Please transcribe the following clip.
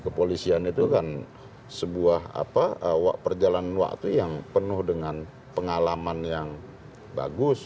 kepolisian itu kan sebuah perjalanan waktu yang penuh dengan pengalaman yang bagus